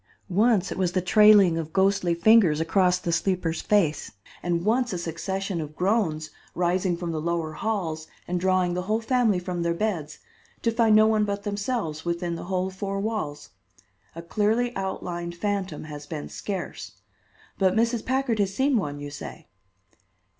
Once it was the trailing of ghostly fingers across the sleeper's face, and once a succession of groans rising from the lower halls and drawing the whole family from their beds, to find no one but themselves within the whole four walls. A clearly outlined phantom has been scarce. But Mrs. Packard has seen one, you say."